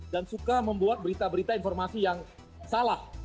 dan suka membuat berita berita informasi yang salah